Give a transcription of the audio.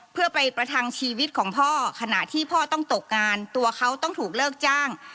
เพื่อไปประทังชีวิตของพ่อขณะที่พ่อต้องตกงานตัวเขาต้องถูกเลิกจ้าง